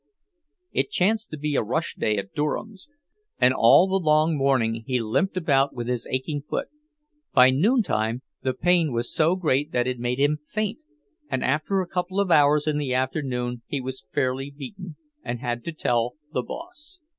It chanced to be a rush day at Durham's, and all the long morning he limped about with his aching foot; by noontime the pain was so great that it made him faint, and after a couple of hours in the afternoon he was fairly beaten, and had to tell the boss.